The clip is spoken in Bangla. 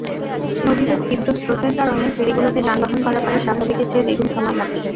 নদীতে তীব্র স্রোতের কারণে ফেরিগুলোকে যানবাহন পারাপারে স্বাভাবিকের চেয়ে দ্বিগুণ সময় লাগছে।